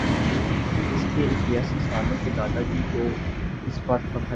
اُس کے اِکیاسی سالوں کے دادا جی کو اُس پر فخر ہے